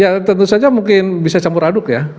ya tentu saja mungkin bisa campur aduk ya